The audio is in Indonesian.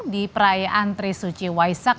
di perayaan trisuci waisak